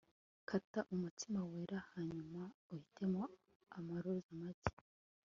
Kata umutsima wera hanyuma uhitemo amaroza make